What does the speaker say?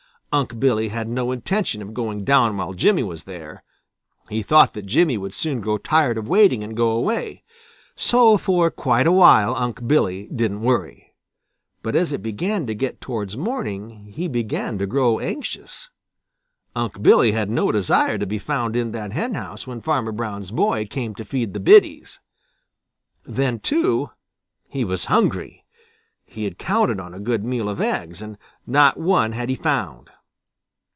Unc' Billy had no intention of going down while Jimmy was there. He thought that Jimmy would soon grow tired of waiting and go away. So for quite awhile Unc' Billy didn't worry. But as it began to get towards morning he began to grow anxious. Unc' Billy had no desire to be found in that henhouse when Farmer Brown's boy came to feed the biddies. Then, too, he was hungry. He had counted on a good meal of eggs, and not one had he found.